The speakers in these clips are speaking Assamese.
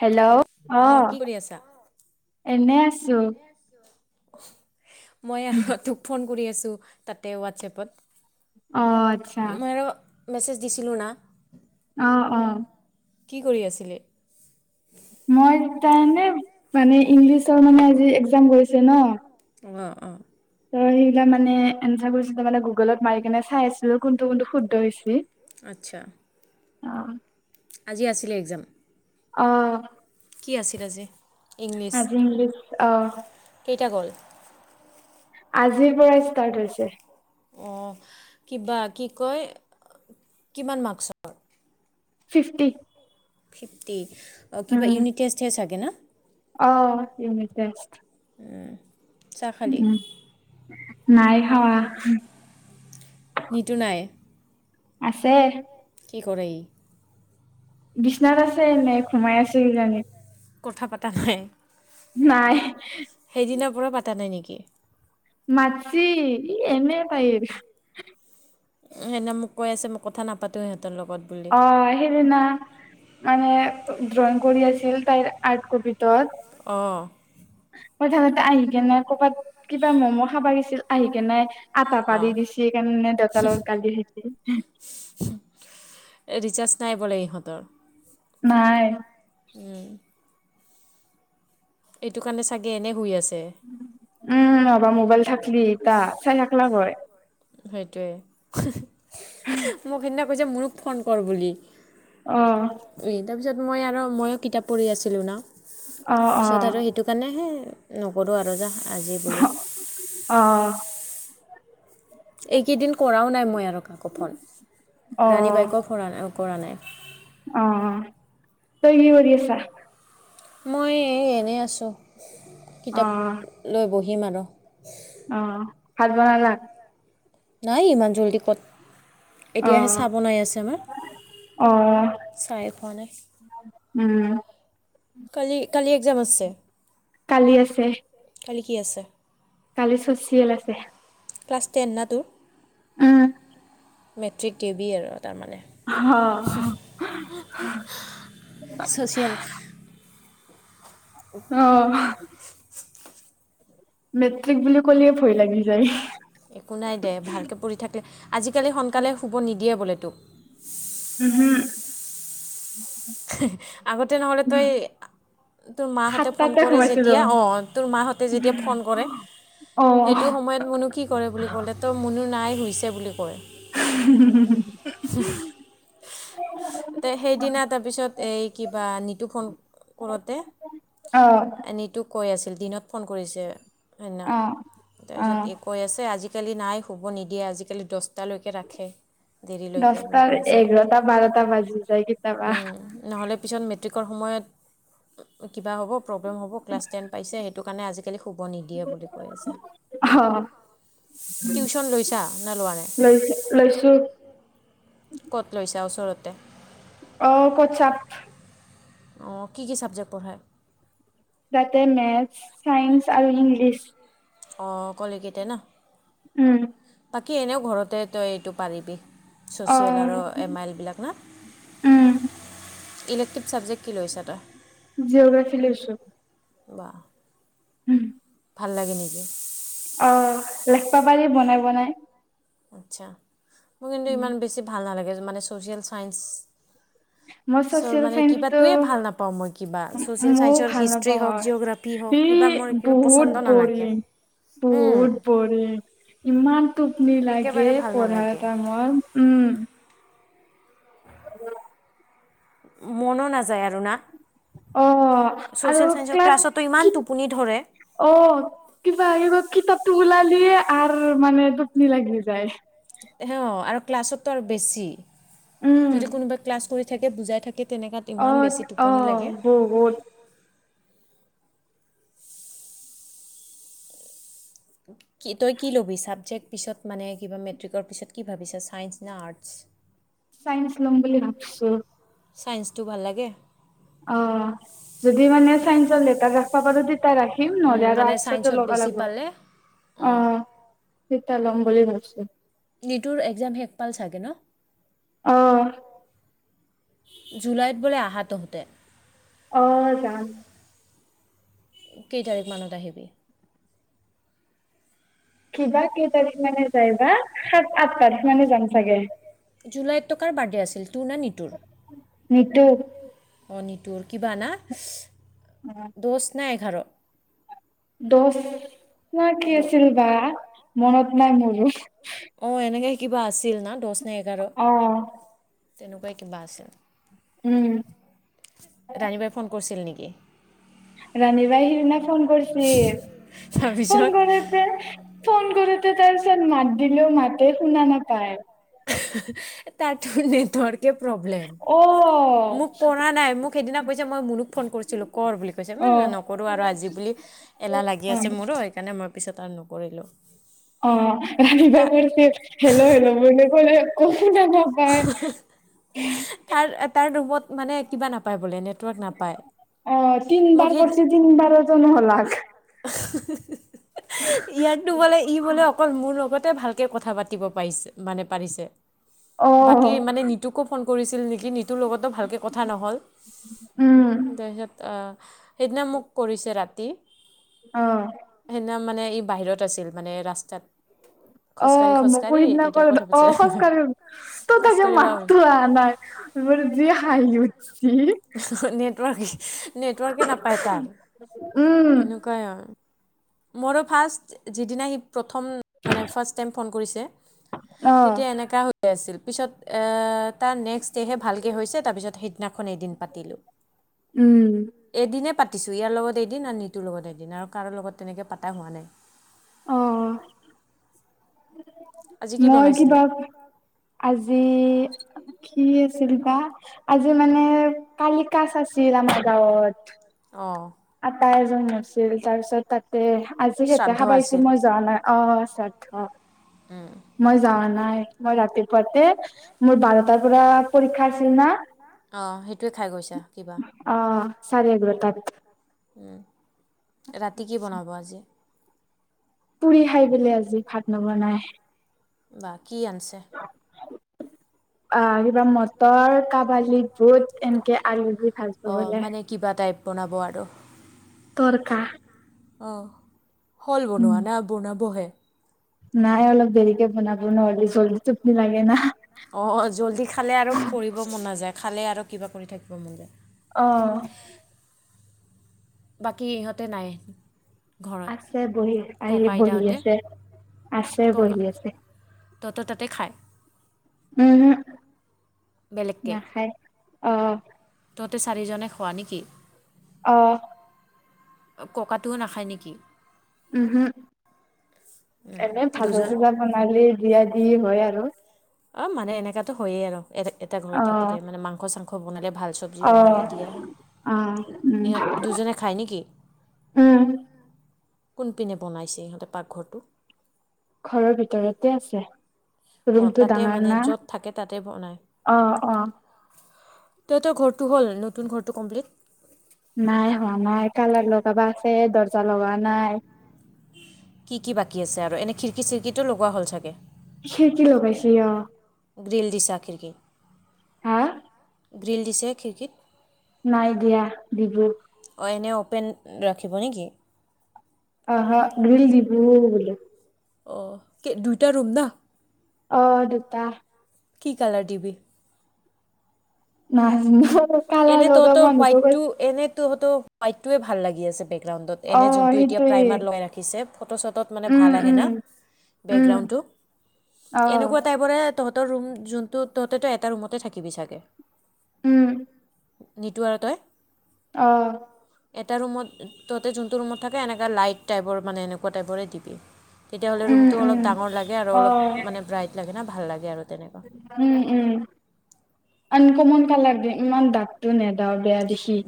হেল্ল'? অ অঁ, কি কৰি আছা এনে আছো। [unintelligible] মই আ তোক ফোন কৰি আছোঁ তাতে হোৱাটছেপত। অঁ আচ্ছা। মেছেজ দিছিলোঁ না অঁ অঁ। কি কৰি আছিলি? মই তাৰনে মানে ইংলিছৰ মানে আজি একজাম গৈছে ন? অঁ অঁ ত' সেইবিলাক মানে এনচাৰবোৰ কৰি মানে গুগলত মাৰি কেনে চাই আছিলো কোনটো কোনটো শুধ আচ্ছা। অহ। আজি আছিলে একজাম? অ' কি আছিল আজি? ইংলিছ আজি ইংলিছ, অ। কেইটা গ'ল আজিৰ পৰা ষ্টাৰ্ট হৈছে। অ' কিবা, কি কয় কিমান মাৰ্কসৰ? ফিফটি। ফিফটি? অ কিবা উম ইউনিট টেষ্টহে চাগে ন? অ' ইউনিট টেষ্ট। উম। চাহ খালি? উম নাই খাৱা। নিতু নাই? আছে। কি কৰে ই? বিচনাত আছে এনেই, ঘুমাই আছে [unintelligible] কথা পাতা নাই? নাই। সেইদিনা পৰা পাতা নাই নেকি? মাতচি, ই এনে পা সেইদিনা মোক কৈ আছে মই কথা নাপাতোৱে অ সেইদিনা মানে ড্ৰয়িং কৰি আছিল তাইৰ আৰ্ট কপিটোত অ। কইথানতে আহি কে নাই কৰ'বাত কিবা ম'ম' খাবা গৈছিল আহি কে নাই আটা পাৰি অঁ দিছি এইকাৰণে দতালৰ গালি হৈছে ৰিচাৰ্জ নাই বলে ইহঁতৰ ভাই, উম। এইটো কাৰণে চাগে এনে শুই আছে। উম! মোবাইল, থাকল এটা [unintelligible] সেইটোৱে মোক সেইদিনা কৈছে মোৰো, ফোন কৰ বুলি আহ! তাৰপিছত মই আৰু ময়ো কিতাপ পঢ়ি আছিলোঁ ন, অ পিছত আৰু সেইটো কাৰণেহে নকৰো আৰু যা। আজি বুলি অ অ এইকেইদিন কৰাও নাই মই আৰু কাকো ফোন। অ ৰাণী বাইকো‌ [unintelligible] কৰা নাই। অ', তই কি কৰি আছা? মই এই এনেই আছো। অ কিতাপ লৈ বহি [inaudible] অ', ভাত বনালা? নাই ইমান জল্দি ক'ত অ এতিয়াহে চাহ বনাই আছে আমাৰ, অ চাহে খোৱা নাই। উম কালি, কালি একজাম আছে? কালি আছে কালি কি আছে? কালি ছ'চিয়েল আছে। ক্লাছ টেন না তোৰ? উম মেট্ৰিক দিবি আৰু তাৰমানে। অ ছ'চিয়েল অ' মেট্ৰিক বুলি ক'লে ভয় লাগি যায়। একো নাই দে, ভালকে পঢ়ি থাকিলে আজিকালি সোনকালে শুব নিদিয়ে বোলে তোক! উহু আগতে নহ'লে তই তোৰ মাহঁতে ফোন সাতটাতে কৰে সোমাইছিলো যেতিয়া, অ, তোৰ মাহঁতে যেতিয়া ফোন কৰে, অ সেইটো সময়ত মুনু কি কৰে বুলি ক'লে তই মুনু নাই ছে বুলি এতিয়া সেইদিনা তাৰপিছত এই কিবা নিতুক ফোন কৰোঁতে, অ নিতুক কৈ আছিল দিনত ফোন কৰিছে। [unintelligible] অ অ তাৰপিছত এ কৈ আছে আজি কালি নাই শুব নিদিয়ে, আজিকালি দছ দছটা, বুলি এঘাৰটা, বাৰটা বাজি যায় কেতিয়াবা। উম, নহ'লে পিছত মেট্ৰিকৰ সময়ত কিবা হ'ব, প্ৰব্লেম হ'ব, ক্লাছ টেন পাইছে, সেইটোকাৰনে আজিকালি শুব নিদিয়ে বুলি কৈ আছে। অ টিউচন লৈছা নে লোৱা নাই? লৈ লৈছো ক'ত লৈছা ওচৰত? টে [unintelligible] অ'কচাপ [unintelligible] অ-কি কি চাবজেক্ট পঢ়ায়? তাতে মেথ, চাইন্স আৰু ইংলিছ। অ- অকল এই কেইটা ন? উম- বাকী এনেও ঘৰতে তই এইটো পাৰিবি। অ ছ'চিয়েল আৰু এম-আইল বিলাক না? উম ইলেকটিভা চাবজেক্ট - জিঅগ্ৰাফি লৈছো। বাহ- উম [unintelligible] ভাল লাগে নেকি? অ' লেখব পাৰি বনাই বনাই। আচ্ছা। মোৰ কিন্তু ইমান বেছি ভাল নালাগে। মানে ছ'চিয়েল চায়েঞ্চ। মোৰ চচিয়েল চাইন্সটো নাপাওঁ মই কিবা ছ'চিয়েল মইও চায়েন্সৰ ভাল হিষ্ট্ৰী নাপাও। হওক জিঅ'গ্ৰাফী হওক কিবা মোৰ কিবা পচন্দ ই--বহুত নালাগে বৰিং- বহুত বৰিং। ইমান- টোপনি লাগে একেবাৰে ভাল নালাগে পঢ়াৰ টাইমত। উম- মন নাযায় আৰু না? অ- আৰু ছ'চিয়েল চায়েন্সৰ ক্লাছ ক্লাছতো ইমান কি- টোপনি ধৰে অ- কিবা আহিব কিতাপ- ওলালিয়ে আৰু মানে টোপনি লাগি যায়। আৰু ক্লাছততো আৰু বেছি উম যদি কোনোবাই ক্লাছ কৰি [unintelligible] বুজাই থাকে তেনেকুৱাত ইমান বেছি টোপনি লাগে [unintelligible] কি তই কি ল'বি ছাবজেক্ট পিছত মানে কিবা মেট্ৰিকৰ পিছত কি ভাবিছা ছাইন্স না আৰ্টছ চাইন্স লম বুলি ভাবিছো। ছায়ন্সটো ভাল লাগে অ' যদি মানে চাই লেটাৰ ৰাখবা পাৰো তেতিয়া ৰাখিম নহলে উম, আৰু মানে আৰ্টছ ছাইন্সত লবা বেছি পালে অ'। লাগবো ল'ম বুলি ভাবিছো নিতুৰ একজাম শেষ পাল চাগে ন অহ জুলাইত বোলে আহ তহঁতে। অ' জানো কেই তাৰিখ মানত আহিবি। কিবা কেই তাৰিখ মানে যাই বা সাত আঠ তাৰিখ মানে যাম চাগে। জুলাইত কাৰ বাৰ্থডে আছিল তোৰ ন নিতুৰ নিতু অ টোৰ কিবা না [unintelligible] ধাৰ, দহ ন কি দ আছিল বা মনত নাই মোৰো অ' এনেকে কিবা আছিল না দ অ' তেনেকুৱাই কিবা আছিল। উম! ৰাণী বাই ফোন কৰিছিল নেকি? ৰাণী বাই ফোন কৰিছিল ফোন তাৰপিছত কৰিছে ফোন, কৰোতে তাৰ পিছত মাত দিলেও মাতে শুনা নাপায়। তাত ন নেটৱৰ্ক, একে প্ৰব্লেম অ মোক কৰা নাই মোক সেইদিনা কৈছে মই মনুক ফোন কৰিছিলোঁ কৰ বুলি কৈছে অ অ ম নকৰোঁ আৰু আজি বুলি এলাহ লাগি আছে মোৰো সেইকাৰণে মই পিছত আৰু নকৰো। কৰিলোঁ। অ ৰাতিপা কৰিছিল হেল্ল' হেল্ল' বুলি ক ক ন নাপায়, তাৰ তাৰ ৰুমত মানে কিবা নাপায়। বোলে নেটৱৰ্ক নাপায় অ তিন মোক বাৰ সেই কৰিছে, তিনি বাৰ! [inaudible] ইয়াতো বোলে, ই বোলে অকল মোৰ লগত তাই ভালকে কথা পাতিব পাইছে মানে পাৰিছে? অ বাকী মানে নিতুকো ফোন কৰিছিল নেকি ন তোৰ লগতটো ভালকৈ কথা নহ'ল। উম [unintelligible] সেইদিনা মোক কৰিছে ৰাতি অ। সেইদিনা মানে ই বাহিৰত আছিল মানে ৰাস্তাত খোজকাঢ়ি অঁ মোকো খোজকাঢ়ি সিদিনা তেতিয়া কৰ ক'ত অ হৈছে খোজ কঢ়ি তোৰ তা কিবা খোজকাঢ়িব মাতটোৱে আহা নাই, মোৰ যি হাঁহি উঠছ [unintelligible] নেটৱৰ্ক নেটৱৰ্কে নাপায় তাৰ, উম এনেকুৱাই মোৰো ফাৰ্ষ্ট যিদিনা সি প্ৰথম মানে ফাৰ্ষ্ট টাইম ফোন কৰিছে, অ তেতিয়া এনেকুৱা হৈ আছিল পিছত এ তাৰ নেক্সট ডেহে ভালকৈ হৈছে, তাৰপিছ সেইদিনাখন এদিন। পাতিলোঁ উম এদিনে পাতিছো, ইয়াৰ লগত এদিন আৰু নিতুৰ লগত এদিন আৰু কাৰো লগত তেনেকে পাতা হোৱা নাই। অঁ। আজি কি মই বনাইছিলে কিবা, আজি কি আছিল বা আজি মানে কালি কাচ ছিল আমাৰ গাঁৱত অঁ আটা এজন মৰছিল তাৰপিছত তাত দে আজি সেতে শ্ৰাদ্ধ খাবা আহিছিল আছিল মই যোৱা নাই, অঁ শ্ৰাদ্ধ উম মই যাৱা নাই, মই ৰাতিপুৱাতে, মোৰ বাৰটাৰ পৰা পৰীক্ষা আছিল না অঁ সেইটোৱে খাই গৈছা কিবা? চাৰে-এঘ্ৰতাত উম। ৰাতি কি বনাব আজি? পুৰি খাই বলে আজি, ভাত নবনাই। বাহ কি আনছে? আহ, কিবা মটৰ, কাবালি বুট, এনেকে আলু দি ভাজব অঁ বলে। মানে কিবা টাইপ বনাব আৰু। তৰকা অ' হল উম বনোৱা? না বনাব হে। নাই অলপ দেৰিকে বনাব, নহলে চল-চোপনি লাগে না অ জল্দি খালে আৰু পঢ়িব মন নাযায়, খালে আৰু কিবা কৰি থাকিব মন যায়। আহ বাকী ইহঁতে নাই। ঘৰত আছে বহি আহি ককা বহি আইতাহঁতে আছে আছে ককা বহি আছে তহঁতৰ ততেই খায়? উহো বেলেগকৈ নাখায় অহ তহতে চাৰিজনে খোৱা নেকি? অহ ককাটোও নাখায় নেকি? উহো এনে দুজন ভাজা-চাজা বনালে দিয়া উম, হয় আৰু অ মানে এলেকাটো হয়েই আৰু এটা ঘৰত অ থাকিলে মানে মাংস-চাংস বনালে, ভাল চব্জী অ বনালে দিয়া হয়। অ উম ইহঁত দুজনে খাই নেকি? উম কোনপিনে বনাইছে ইহঁতে পাকঘৰটো? ঘৰৰ ভিতৰতে আছে অঁ ৰুমটো তাতে ডাঙৰ মানে না, য'ত থাকে তাতে বনায় অ অ তহঁতৰ ঘৰটো হ'ল নতুন ঘৰটো কমপ্লিট? নাই হোৱা নাই, কালাৰ লগাবা আছে দৰ্জা লগোৱা নাই কি কি বাকী আছে আৰু এনে খিৰিকী চিৰিকিটো লগোৱা হ'ল চাগে খিৰিকী লগাইছে অ গ্ৰীল দিছা খিৰিকীৰ? হা? গ্ৰীল দিছে খিৰিকীত। নাই দিয়া, দিলো। পেন ৰাখিব নেকি? [unintelligible] অঁ, কি দুটা ৰুম না? অ, দুটা। কি কালাৰ দিবি? নাজনু। এনে তহঁতৰ হোৱাইটটো [unintelligible] এনে তহঁতৰ হোৱাটটোৱে লাগি আছে বে বেকগ্ৰাউণ্ডত অ এনে যোনটো এতিয়া সেইটোয়ে প্ৰাইমাৰ লগাই ৰাখিছে ফটো চটত মানে উম ভাল আহে উম না উম বেকগ্ৰাউণ্ডটো অ এনেকুৱা টাইপৰে তহঁতৰ ৰুম যোনটো তহঁতেটো এটা ৰুমতে থাকিবি চাগে। উম! নিতু আৰু তই। অহ। এটা ৰুমত তহতে যোনটো ৰুমত থাকে এনেকা লাইট টাইপৰ মানে এনেকুৱা টাইপৰে দিবি। তেতিয়াহ'লে উম ৰুমটো উম অলপ ডাঙৰ লাগে আৰু অ অলপ মানে ব্ৰাইট লাগে না। ভাল লাগে। আৰু তেনেকুৱা উম, উম। আনকমন কালৰ দে ইমান দাঠটো নে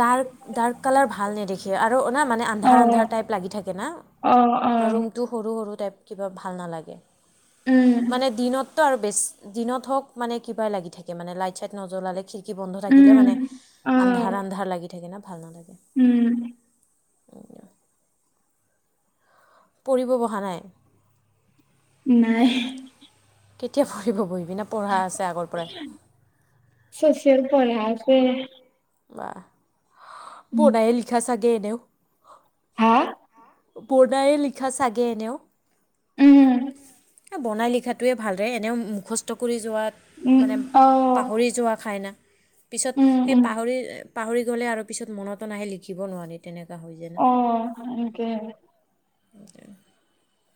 ডাৰ্ক ডাৰ্ক কালাৰ ভাল ভাল নেদেখি আ আৰু অ মানে অ আন্ধাৰ আন্ধাৰ টাইপ লাগি থাকে না। অ অ ৰুমটো সৰু সৰু টাইপ কিবা ভাল নালাগে। উম মানে দিনত তাৰ বেছ দিনত হওঁক মানে কিবাই লাগি থাকে মানে। লাইট চাইট নজ্বলালে চি কি বন্ধ থাকিলে উম মানে। অ আন্ধাৰ লাগি থাকে ন ভাল নালাগে। উম। [inaudible] পঢ়িব বহা নাই? নাই। কেতিয়া পঢ়িব বহি? চচিয়েল পঢ়া আছে তে বাহ! বনাই লিখা চাগ এ [unintelligible] হাঁ বনায়ে লিখা চাগে এনেও! উম এ বনাই লিখাটোৱে ভাল দে, এনেও মুখস্থ কৰি যোৱাত মানে অ পাহৰি যোৱা খাইনা পিছত, উম সেই উম পাহৰি পাহৰি গ'লে আৰু পিছত মনতো নাহে লিখিব নোৱাৰি, তেনেক অ', সেনকে। [inaudible]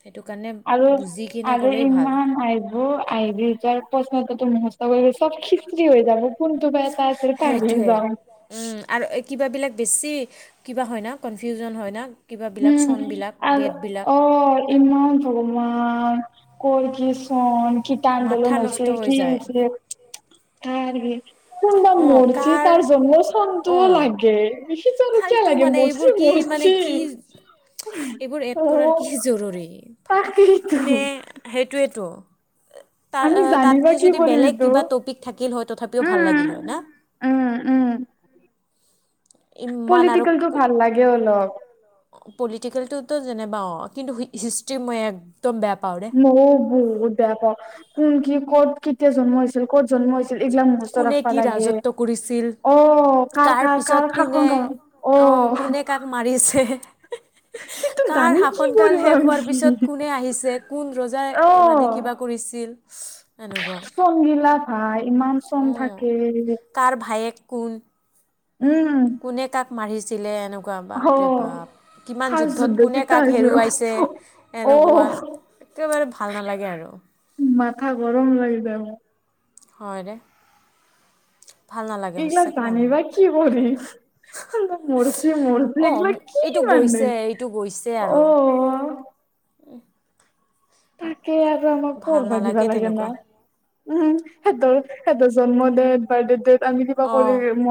সেইটো কাৰণে আৰু, বুজি কিনে আৰু গ'লেই ভাল ইমান আইব, আইলে এতিয়া প্ৰশ্নটোকে মুখস্থ কৰিছ চব খিচৰি হৈ যাব [unintelligible] পাহৰি সেইটোৱে যাওঁ। আৰু কিবাবিলাক বেছি, কিবা হয় না, কনফিউজন হয় না কিবাবিলাক উম, চনবিলাক আৰু, ডেটবিলাক অ', ইমান জমা! ক'ৰ কি চন! কিতা মাথা আন্দোলন নষ্ট হৈছিল, হৈ কি যায় হৈছিলে [inaudible] কোনবা অঁ মৰছি কাৰ তাৰ জন্মস্হানটোও অঁ লাগে, [unintelligible] কিয় ফাল্টু লাগে, মানে এইবোৰ মৰছি কি মানে মৰছি কি এইবোৰ অ এড কৰাৰ কি জৰুৰী? তাকেইতো কোনে, সেইটোৱেইতো। তাৰ, আমি অ, জানিবা তাতকে কি যদি কৰিম বেলেগ এইটো কিবা টপিক থাকিল হয়, তথাপিও ভাল লাগিল হয় উম না? ইমান আৰু পলিটিকেলতটো ভাল লাগে অলপ। পলিটিকেলটোতো যেনেবা অ', কিন্তু হিষ্ট্ৰী মই এক মইও বহুত বেয়া পাওঁ। কোন কি ক'ত কেতিয়া জন্ম হৈছিল ক'ত জন্ম হৈছিল এই বিলাক মুখস্থ কোনে ৰাখিব কি লাগে। ৰাজত্ব কৰিছিল অঔ কাৰ কাৰ পিছত কাৰ কোনে শাসন কালত অঁ অঔ কোনে কাক মাৰিছে কাৰ শাসনকাল শেষ হোৱাৰ পিছত আমি কোনে আহিছে, কোন ৰজাই মানে অ কিবা কৰিছিল এনেকুৱা। কম অঁ থাকে। কাৰ ভায়েক কোন? কোনে কাক মাৰি ছিলে এনে কুৱা বাপ ৰে' বাপ, কিমান যুদ্ধত কোনে কাক হেৰুৱাইছে এনেকুৱা একেবাৰে ভাল নালাগে আৰু। লাগিছে মোৰ হয় নে? এইগিলা জানি বা কি কৰি মৰিছে মৰিছে অঁ এইগলা এইটো কি মানে গৈছে এইটো অ' উ। [unintelligible] তাকে আৰু আমাক কৰবা দিবা নালাগে লাগে ন? তেনেকুৱা উম সেইটোৱে সেটো জন্ম ডেট বাৰ্থডে ডেট আমি কিবা অঁ কৰি [unintelligible]